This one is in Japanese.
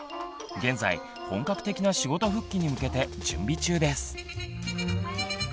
現在本格的な仕事復帰に向けて準備中です。